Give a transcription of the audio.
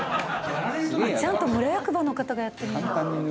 ちゃんと村役場の方がやってるんだ。